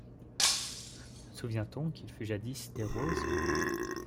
Se souvient-on qu’il fut jadis des roses ?